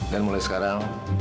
dan mulai sekarang